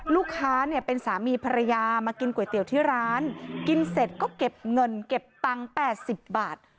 ลูกค้าเนี่ยเป็นสามีภรรยามากินก๋วยเตี๋ยวที่ร้านกินเสร็จก็เก็บเงินเก็บตังค์๘๐บาท